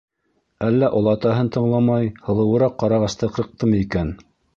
Әллә олатаһын тыңламай һылыуыраҡ ҡарағасты ҡырҡтымы икән?